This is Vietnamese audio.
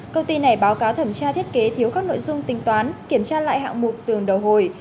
công ty này báo cáo thẩm tra thiết kế thiếu các nội dung tính toán kiểm tra lại hạng mục tường đầu hồi